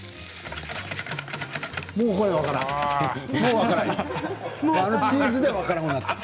もうこれは分からん。